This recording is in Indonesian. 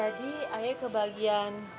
jadi ayo ke bagian